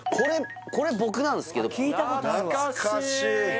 これ僕なんですけど聞いたこと懐かしい！